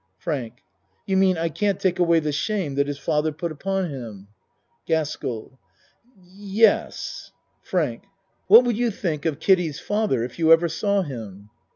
FRANK You mean I can't take away the shame that his father put upon him? GASKELL Ye s. FRANK What would you think of Kiddie's father if you ever saw him?